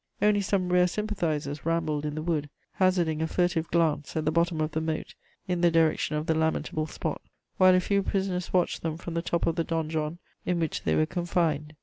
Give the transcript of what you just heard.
Only some rare sympathizers rambled in the wood, hazarding a furtive glance at the bottom of the moat in the direction of the lamentable spot, while a few prisoners watched them from the top of the donjon in which they were confined.